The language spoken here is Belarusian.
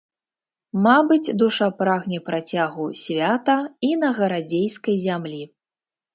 Мабыць, душа прагне працягу свята і на гарадзейскай зямлі.